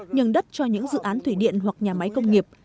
nhường đất cho những dự án thủy điện hoặc nhà máy công nghiệp